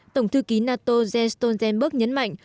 tổng thư ký nato jens stoltenberg nhấn mạnh